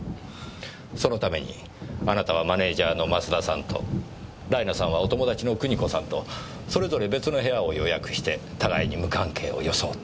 そのためにあなたはマネージャーの増田さんとライナさんはお友達の国子さんとそれぞれ別の部屋を予約して互いに無関係を装っていた。